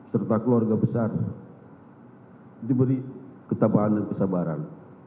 serta keluarga besar diberi ketabahan dan kesabaran